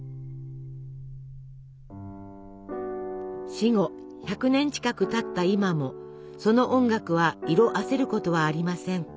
死後１００年近くたった今もその音楽は色あせることはありません。